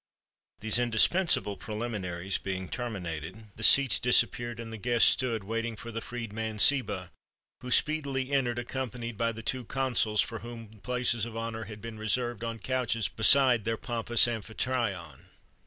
[XXXV 21] These indispensable preliminaries being terminated, the seats disappeared, and the guests stood waiting for the freed man, Seba, who speedily entered accompanied by the two consuls, for whom places of honour had been reserved on couches beside their pompous amphitryon.